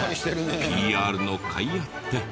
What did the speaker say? ＰＲのかいあって。